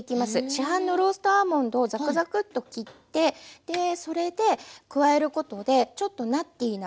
市販のローストアーモンドをザクザクッと切ってそれで加えることでちょっとナッティーな香りと。